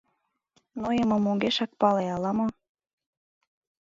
Нойымым огешак пале ала-мо.